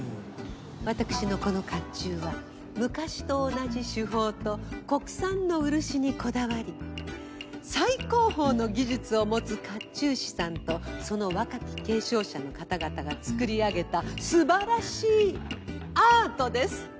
私のこの甲冑は昔と同じ手法と国産の漆にこだわり最高峰の技術を持つ甲冑師さんとその若き継承者の方々が作り上げた素晴らしいアートです！